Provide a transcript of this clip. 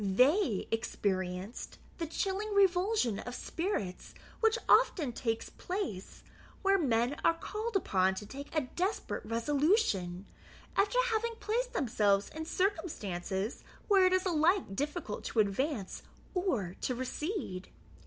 They experienced the chilling revulsion of spirits which often takes place, when men are called upon to take a desperate resolution, after having placed themselves in circumstances where it is alike difficult to advance or to recede.